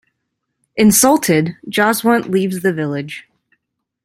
Insulted, Jaswant leaves the village.